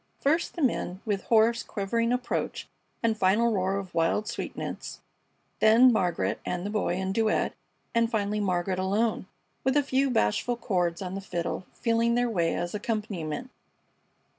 First the men, with hoarse, quavering approach and final roar of wild sweetness; then Margaret and the Boy in duet, and finally Margaret alone, with a few bashful chords on the fiddle, feeling their way as accompaniment.